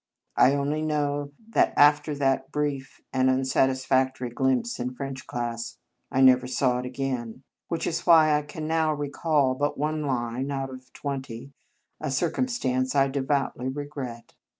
I only know that, after that brief and unsatisfactory glimpse in French class, I never saw it again; which is why I can now recall but one line out of twenty, a circumstance I devoutly regret.